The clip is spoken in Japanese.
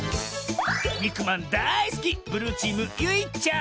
にくまんだいすきブルーチームゆいちゃん。